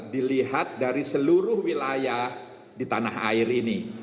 dilihat dari seluruh wilayah di tanah air ini